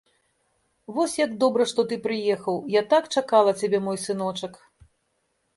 Вось як добра, што ты прыехаў, я так чакала цябе, мой сыночак.